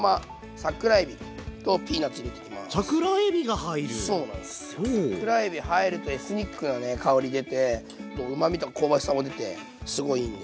桜えび入るとエスニックなね香り出てもううまみとか香ばしさも出てすごいいいんで。